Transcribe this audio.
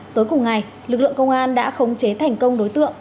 tối cùng ngày lực lượng công an đã khống chế thành công đối tượng